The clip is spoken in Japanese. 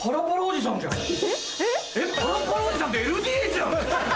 パラパラおじさんってＬＤＨなの？